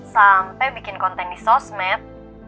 sampai bikin konten di sosmed